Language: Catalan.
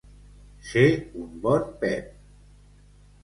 Ser un bon Pep.